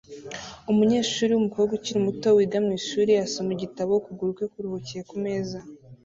Umunyeshuri wumukobwa ukiri muto wiga mwishuri asoma igitabo ukuguru kwe kuruhukiye kumeza